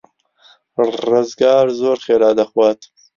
ڕزگار زۆر خێرا دەخوات.